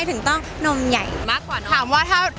ต้องถามว่า